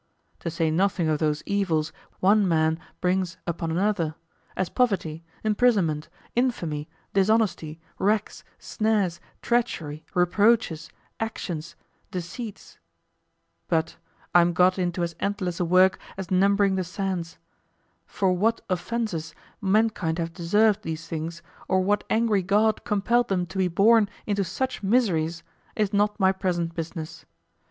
To say nothing of those evils one man brings upon another, as poverty, imprisonment, infamy, dishonesty, racks, snares, treachery, reproaches, actions, deceits but I'm got into as endless a work as numbering the sands for what offenses mankind have deserved these things, or what angry god compelled them to be born into such miseries is not my present business.